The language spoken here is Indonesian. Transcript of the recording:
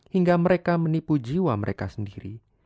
hingga mereka menipu jiwa mereka sendiri